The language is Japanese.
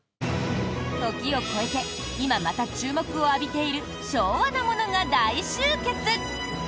時を越えて今また注目を浴びている昭和なものが大集結！